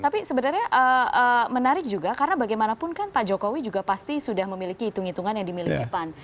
tapi sebenarnya menarik juga karena bagaimanapun kan pak jokowi juga pasti sudah memiliki hitung hitungan yang dimiliki pan